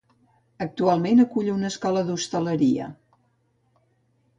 Actualment acull una escola d'hostaleria.